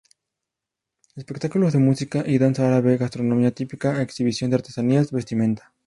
Espectáculos de música y danza árabe, gastronomía típica, exhibición de artesanías, vestimenta.